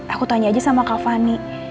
aku tanya aja sama kak fani